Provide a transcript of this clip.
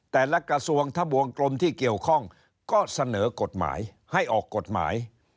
แต่ละกระทรวงทะบวงกลมที่เกี่ยวข้องก็เสนอกฎหมายให้ออกกฎหมาย